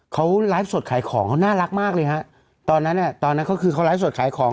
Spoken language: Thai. เขาไลฟ์สดขายของเขาน่ารักมากเลยฮะตอนนั้นอ่ะตอนนั้นก็คือเขาไลฟ์สดขายของ